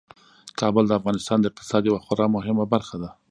کابل د افغانستان د اقتصاد یوه خورا مهمه برخه ده.